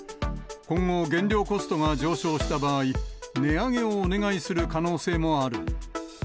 今後、原料コストが上昇した場合、値上げをお願いする可能性もある。